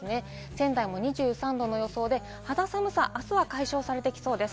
仙台も２３度で、あすは肌寒さ解消されてきそうです。